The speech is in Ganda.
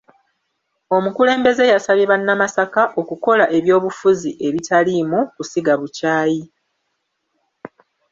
Omukulembeze yasabye bannamasaka okukola ebyobufuzi obitaliimu kusiga bukyayi.